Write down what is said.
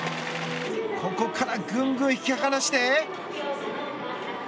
ここからぐんぐん引き離して。